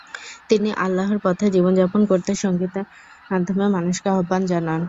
তিনি আল্লাহর পথে জীবন যাপন করতে সঙ্গীতের মাধ্যমে মানুষকে আহব্বান জানান।